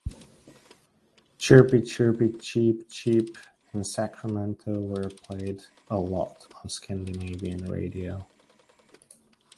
"Chirpy Chirpy Cheep Cheep" and "Sacramento" were played a lot on Scandinavian radio.